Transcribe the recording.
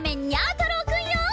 太郎くんよ！